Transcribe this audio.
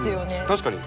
確かに。